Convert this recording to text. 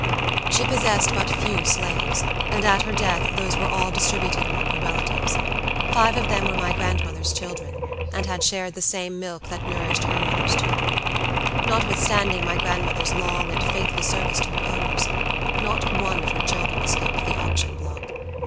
She possessed but few slaves; and at her death those were all distributed among her relatives. Five of them were my grandmother's children, and had shared the same milk that nourished her mother's children. Notwithstanding my grandmother's long and faithful service to her owners, not one of her children escaped the auction block.